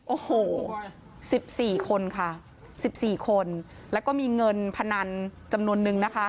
โอ้โหสิบสี่คนค่ะสิบสี่คนแล้วก็มีเงินพนันจำนวนนึงนะคะ